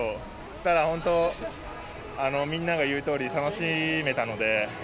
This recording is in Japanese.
ただ、本当、みんなが言うとおり楽しめたので。